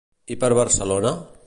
I per a Barcelona?